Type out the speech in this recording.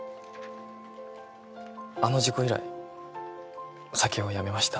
あの事故以来お酒をやめました